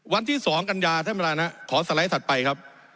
วันที่๒กันยาท่านประธานขอสไลด์ถัดไปครับ